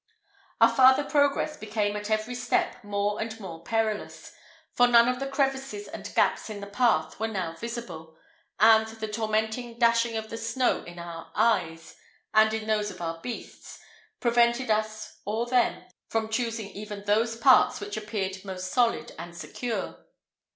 Our farther progress became at every step more and more perilous, for none of the crevices and gaps in the path were now visible, and the tormenting dashing of the snow in our eyes, and in those of our beasts, prevented us or them from choosing even those parts which appeared most solid and secure.